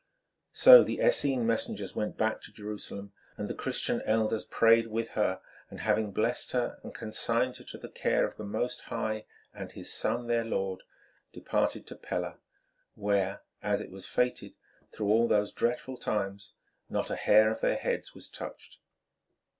So the Essene messengers went back to Jerusalem, and the Christian elders prayed with her, and having blessed her and consigned her to the care of the Most High and His Son, their Lord, departed to Pella, where, as it was fated, through all those dreadful times not a hair of their heads was touched.